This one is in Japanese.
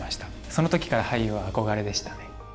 その時から俳優は憧れでしたね。